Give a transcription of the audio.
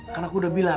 kan aku udah bilang